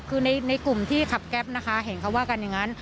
คือในกลุ่มที่ขับแก๊บแสติให้แกล้วเห็นว่าไง